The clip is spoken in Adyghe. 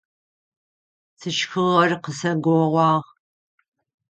Сшхыгъэр къысэгоуагъ.